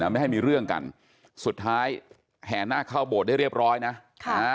ไม่ให้มีเรื่องกันสุดท้ายแห่หน้าเข้าโบสถ์ได้เรียบร้อยนะค่ะ